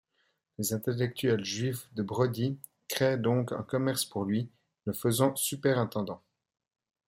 Les intellectuels juifs de Brody créent donc un commerce pour lui, le faisant superintendant.